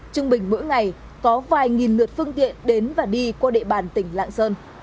chương bình mỗi ngày có vài nghìn lượt phương tiện đến và đi qua địa bàn tỉnh lạc sơn